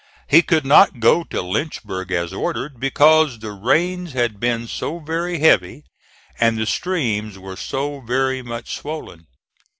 He could not go to Lynchburg as ordered, because the rains had been so very heavy and the streams were so very much swollen.